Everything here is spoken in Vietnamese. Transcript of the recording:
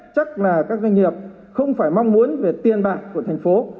chắc là các doanh nghiệp không phải mong muốn về tiền bạc của thành phố